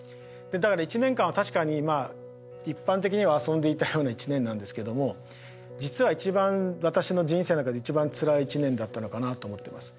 だから１年間は確かにまあ一般的には遊んでいたような１年なんですけども実は一番私の人生の中で一番つらい１年だったのかなと思ってます。